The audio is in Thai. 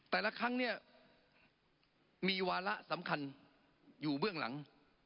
แต่ละครั้งเนี่ยมีวาระสำคัญอยู่เบื้องหลัง